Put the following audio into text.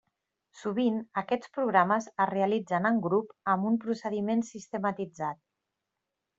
Sovint, aquests programes es realitzen en grup amb un procediment sistematitzat.